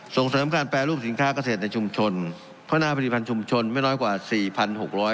ส่งสูตรการปรับการประกอบอาชีพทั้งในและนอกภาคกัศเศรษฐกร